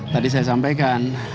tadi saya sampaikan